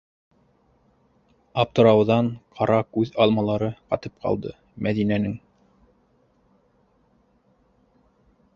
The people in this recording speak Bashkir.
- Аптырауҙан ҡара күҙ алмалары ҡатып ҡалды Мәҙинәнең...